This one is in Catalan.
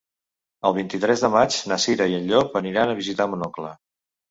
El vint-i-tres de maig na Cira i en Llop aniran a visitar mon oncle.